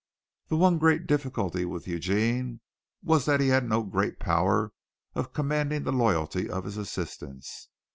The one great difficulty with Eugene was that he had no great power of commanding the loyalty of his assistants.